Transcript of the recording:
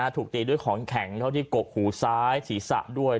ถูกตีด้วยของแข็งเท่าที่กกหูซ้ายศีรษะด้วย